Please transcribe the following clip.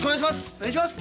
お願いします！